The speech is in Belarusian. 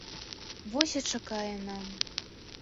Вось і чакае нам.